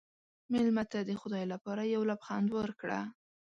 مېلمه ته د خدای لپاره یو لبخند ورکړه.